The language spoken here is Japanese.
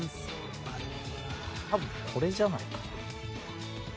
多分これじゃないかな？